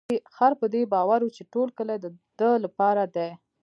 خر په دې باور و چې ټول کلي د ده لپاره دی.